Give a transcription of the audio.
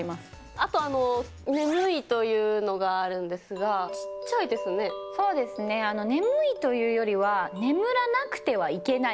あと眠いというのがあるんでそうですね、眠いというよりは眠らなくてはいけない。